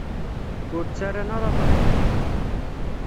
Ur ttarran ara aḍar?